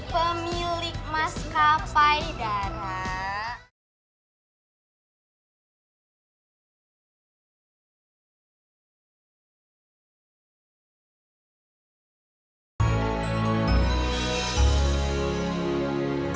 pemilik mas kapai dana